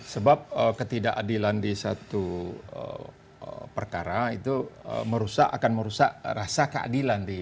sebab ketidakadilan di satu perkara itu merusak akan merusak rasa keadilan di hal hal yang lain